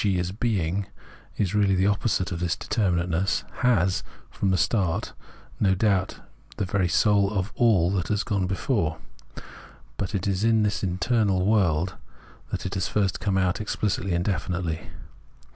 g., as being, is really the opposite of this determinateness — has from the start been no doubt the very soul of all that has gone before ; but it is in the inner world that it has first come out exphcitly and definitely.